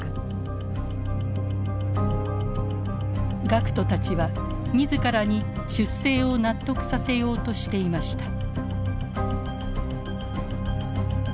学徒たちは自らに出征を納得させようとしていました。